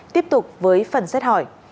tiếp tục với phần xét hỏi